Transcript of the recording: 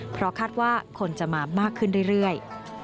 เพราะคาดว่าคนจะมามากขึ้นเรื่อย